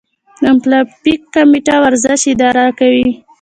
د المپیک کمیټه ورزش اداره کوي